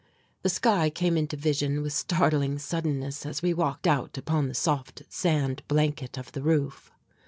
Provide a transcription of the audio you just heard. The sky came into vision with startling suddenness as we walked out upon the soft sand blanket of the roof.